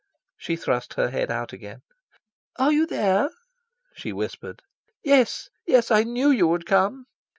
She thrust her head out again. "Are you there?" she whispered. "Yes, yes. I knew you would come."